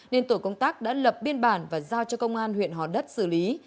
nên tổ công tác đã lập biên bản và giao cho công an huyện hòn đất xử lý